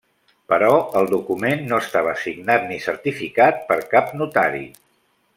Però el document no estava signat ni certificat per cap notari.